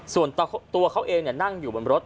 ส่วนตัวเขาเองนั่งอยู่บนรถ